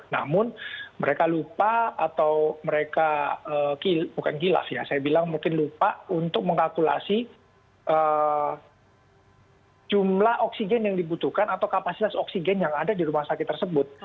namun mereka lupa atau mereka bukan gila ya saya bilang mungkin lupa untuk mengkalkulasi jumlah oksigen yang dibutuhkan atau kapasitas oksigen yang ada di rumah sakit tersebut